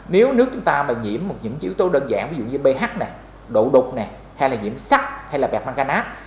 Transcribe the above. nếu nước chúng ta mà nhiễm những yếu tố đơn giản ví dụ như ph độ đục hay là nhiễm sắc hay là bẹp măng canát